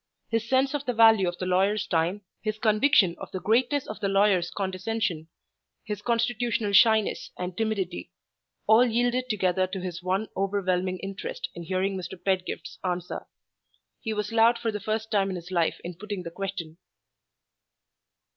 His sense of the value of the lawyer's time, his conviction of the greatness of the lawyer's condescension, his constitutional shyness and timidity all yielded together to his one overwhelming interest in hearing Mr. Pedgift's answer. He was loud for the first time in his life in putting the question.